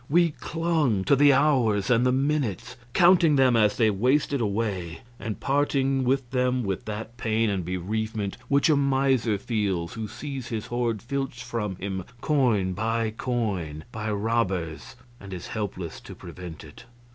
We clung to the hours and the minutes, counting them as they wasted away, and parting with them with that pain and bereavement which a miser feels who sees his hoard filched from him coin by coin by robbers and is helpless to prevent it.